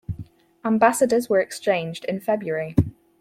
Ambassadors were exchanged in February.